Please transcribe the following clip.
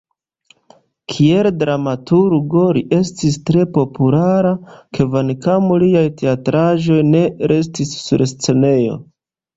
Kiel dramaturgo li estis tre populara, kvankam liaj teatraĵoj ne restis sur scenejo.